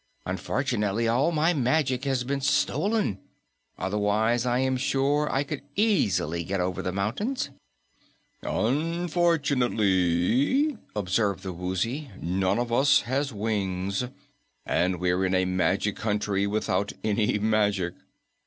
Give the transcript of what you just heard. Unfortunately, all my magic has been stolen, otherwise I am sure I could easily get over the mountains." "Unfortunately," observed the Woozy, "none of us has wings. And we're in a magic country without any magic."